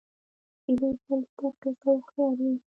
پیلوټ تل دقیق او هوښیار وي.